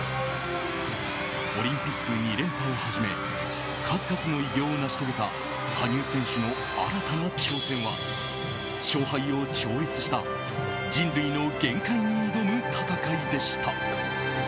オリンピック２連覇をはじめ数々の偉業を成し遂げた羽生選手の新たな挑戦は勝敗を超越した人類の限界に挑む戦いでした。